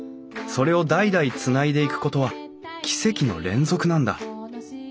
それを代々つないでいくことは奇跡の連続なんだ。